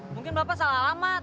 mungkin bapak salah alamat